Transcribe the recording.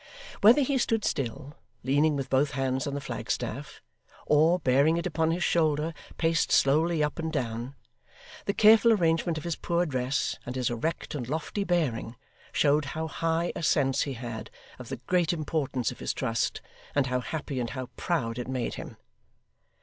Whether he stood still, leaning with both hands on the flagstaff, or, bearing it upon his shoulder, paced slowly up and down, the careful arrangement of his poor dress, and his erect and lofty bearing, showed how high a sense he had of the great importance of his trust, and how happy and how proud it made him.